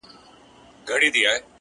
زما خوبـونو پــه واوښـتـل!!